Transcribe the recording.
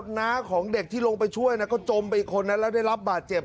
น้าของเด็กที่ลงไปช่วยนะก็จมไปคนนั้นแล้วได้รับบาดเจ็บ